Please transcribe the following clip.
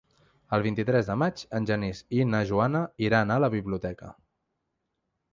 El vint-i-tres de maig en Genís i na Joana iran a la biblioteca.